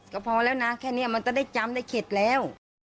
ก็พอแล้วนะแค่นี้มันจะได้จำได้เข็ดแล้ว